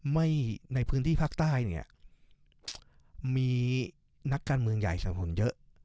ในพื้นที่ภาคใต้เนี่ยมีนักการเมืองใหญ่ชาวผมเยอะ